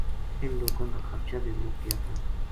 اِن لوکاں کا خرچا بے مُک گیاتھا